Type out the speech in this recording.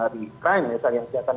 dan itu sudah ada bagian bagian khusus